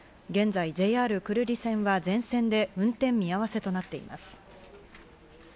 現在、ＪＲ久留里線は全線で運転見合わせとなっています。